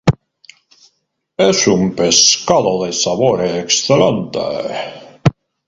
Es un pescado de sabor excelente.